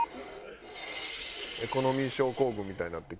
エコノミー症候群みたいになってる。